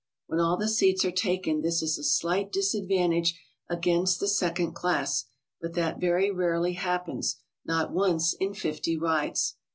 When all the seats are taken this is a slight disadvantage against the second class, but that very rarely happens, not once in fifty rides.